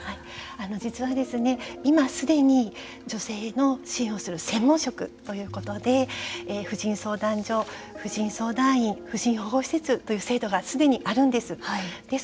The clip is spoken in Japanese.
実は今すでに女性の支援をする専門職ということで婦人相談所、婦人相談員婦人保護施設という制度がすでにあるんです。